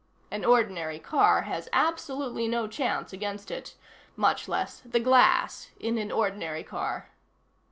An ordinary car has absolutely no chance against it. Much less the glass in an ordinary car.